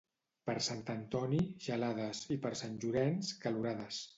Per Sant Antoni, gelades, i per Sant Llorenç, calorades.